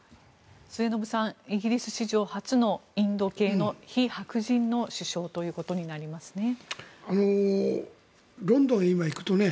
末延さんイギリス史上初のインド系の非白人の首相ということになりますね。